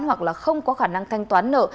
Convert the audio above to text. hoặc là không có khả năng thanh toán nợ